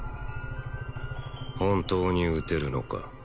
本当に撃てるのか